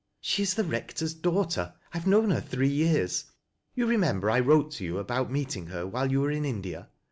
" She is the Eector's daughter. I have known her three years. You remember I wrote to you about meeting her while you were in India.